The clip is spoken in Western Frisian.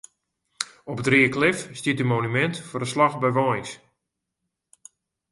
Op it Reaklif stiet in monumint foar de slach by Warns.